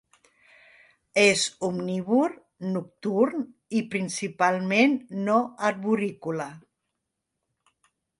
És omnívor, nocturn i principalment no arborícola.